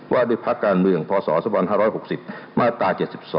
ว่าด้วยพักการเมืองพศ๒๕๖๐มาตรา๗๒